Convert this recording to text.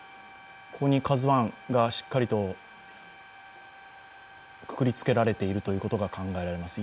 ここに「ＫＡＺＵⅠ」がしっかりとくくりつけられているということが考えられます。